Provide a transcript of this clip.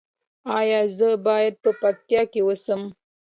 ایا زه باید په پکتیا کې اوسم؟